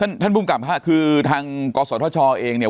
ครับท่านพุ่งกลับค่ะคือทางกสตถชเองเนี่ย